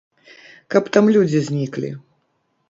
Каб там людзі зніклі.